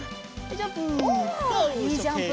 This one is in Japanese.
はいジャンプ。